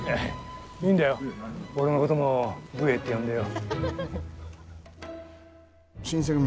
いいんだよ、俺のことも武衛って呼んでよ。